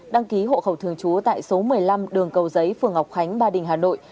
đăng ký hộ khẩu thường trú tại số một mươi năm đường cầu giấy phường ngọc khánh ba đình hà nội